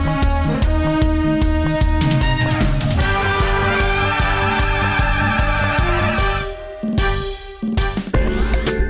โปรดติดตามตอนต่อไป